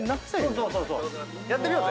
やってみようぜ。